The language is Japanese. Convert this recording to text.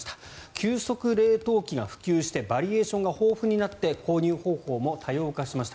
急速冷凍機が普及してバリエーションが豊富になって購入方法も多様化しました。